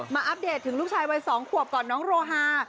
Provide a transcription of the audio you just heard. อัปเดตถึงลูกชายวัย๒ขวบก่อนน้องโรฮา